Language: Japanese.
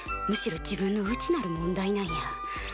むしろ自分の内なる問題なんや。